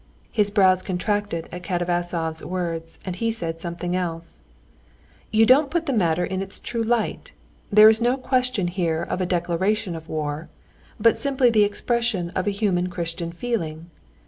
His brows contracted at Katavasov's words and he said something else. "You don't put the matter in its true light. There is no question here of a declaration of war, but simply the expression of a human Christian feeling.